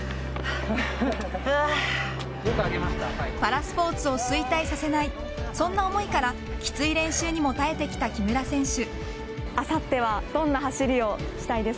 パラスポーツを衰退させないそんな思いから、きつい練習にも耐えてきた木村選手。